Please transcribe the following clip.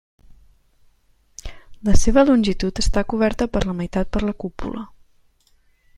La seva longitud està coberta per la meitat per la cúpula.